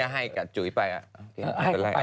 ให้กับจุ๊ยไปอ่ะ